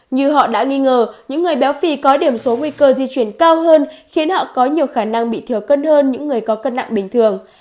như họ đã nghi ngờ những người béo phì có điểm số nguy cơ di chuyển cao hơn khiến họ có nhiều khả năng bị thừa cân hơn những người có cân nặng bình thường